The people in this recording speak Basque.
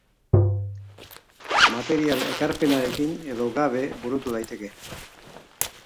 Material ekarpenarekin edo gabe burutu daiteke.